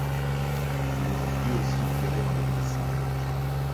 Il est donc lui aussi enterré dans l'église Saint-Georges.